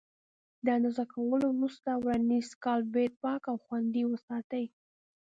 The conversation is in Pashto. د اندازه کولو وروسته ورنیز کالیپر پاک او خوندي وساتئ.